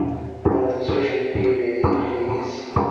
اور دوسری فلم کی ریلیز